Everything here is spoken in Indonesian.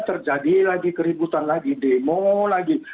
terjadi lagi keributan lagi demo lagi